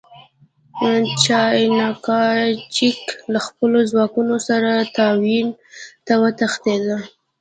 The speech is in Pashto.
چیانکایچک له خپلو ځواکونو سره ټایوان ته وتښتېد.